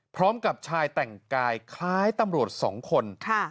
พร้อมกับชายแต่งกายคล้ายตำรวจ๒คน